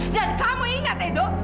dan kamu ingat edo